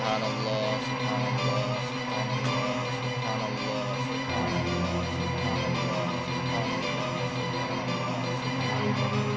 alhamdulillah tapi bukan saya menurunkan hujan ini semua karena allah allah yang menurunkan hujan